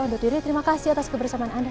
undur diri terima kasih atas kebersamaan anda